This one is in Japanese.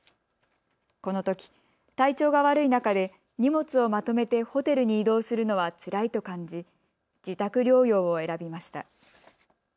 このとき体調が悪い中で荷物をまとめてホテルに移動するのはつらいと感じ自宅療養を選びました。